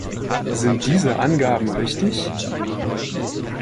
Sind diese Angaben richtig?